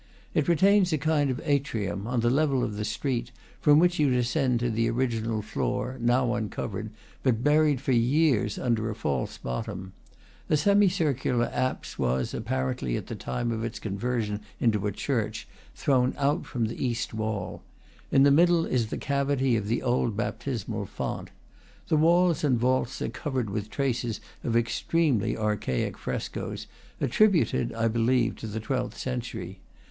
It retains a kind of atrium, on the level of the street, from which you descend to the original floor, now un covered, but buried for years under a false bottom. A semicircular apse was, apparently at the time of its conversion into a church, thrown out from the east wall. In the middle is the cavity of the old baptismal font. The walls and vaults are covered with traces of extremely archaic frescos, attributed, I believe, to the twelfth century.